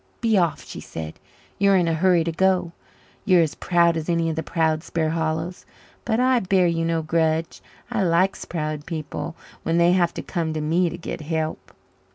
"Be off," she said. "You're in a hurry to go you're as proud as any of the proud Sparhallows. But I bear you no grudge. I likes proud people when they have to come to me to get help."